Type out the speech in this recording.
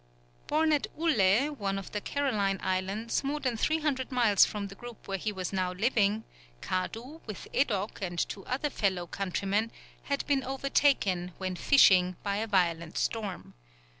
Born at Ulle, one of the Caroline Islands, more than 300 miles from the group where he was now living, Kadu, with Edok and two other fellow countrymen, had been overtaken, when fishing, by a violent storm.